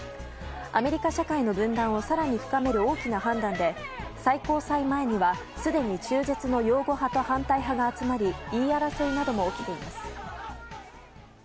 アメリカ社会の分断を更に深める大きな判断で最高裁前にはすでに中絶の擁護派と反対派が集まり言い争いなども起きています。